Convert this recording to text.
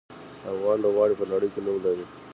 افغان لوبغاړي په نړۍ کې نوم لري.